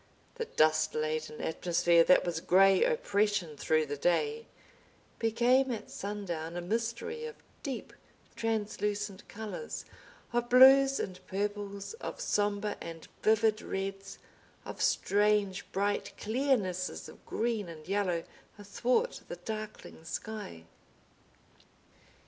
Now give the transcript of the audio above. The dust laden atmosphere that was gray oppression through the day became at sundown a mystery of deep translucent colors, of blues and purples, of somber and vivid reds, of strange bright clearnesses of green and yellow athwart the darkling sky.